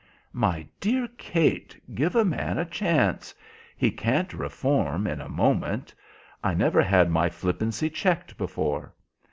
"My dear Kate, give a man a chance. He can't reform in a moment. I never had my flippancy checked before.